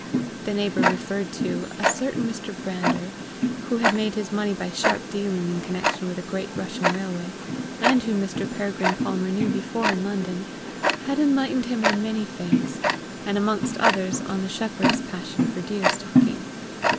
The neighbour referred to, a certain Mr. Brander, who had made his money by sharp dealing in connection with a great Russian railway, and whom Mr. Peregrine Palmer knew before in London, had enlightened him on many things, and amongst others on the shepherds' passion for deer stalking.